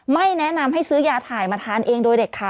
ไม่แนะนำให้ซื้อยาถ่ายมาทานเองโดยเด็ดขาด